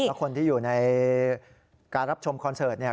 แล้วคนที่อยู่ในการรับชมคอนเสิร์ตเนี่ย